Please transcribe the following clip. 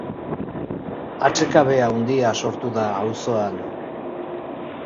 Atsekabe handia sortu da auzoan.